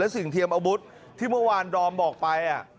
สิ่งเทียมอาวุธที่เมื่อวานดอมบอกไป